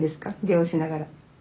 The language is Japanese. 漁しながら。